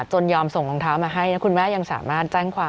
ยอมส่งรองเท้ามาให้แล้วคุณแม่ยังสามารถแจ้งความ